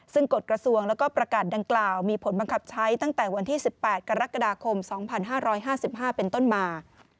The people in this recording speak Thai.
ซึ่งกฎกระทรวงแล้วก็ประกาศดังกล่าวมีผลบังคับใช้ตั้งแต่วันที่๑๘กรกฎาคม๒๕๕๕เป็นต้นมา